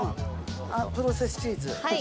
あっプロセスチーズ。